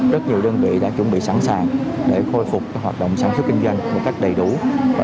rất nhiều đơn vị đã chuẩn bị sẵn sàng để khôi phục hoạt động sản xuất kinh doanh một cách đầy đủ